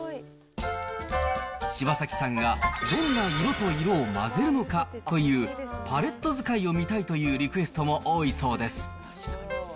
柴崎さんがどんな色と色を混ぜるのかという、パレット使いを見たいというリクエストも多いそうです。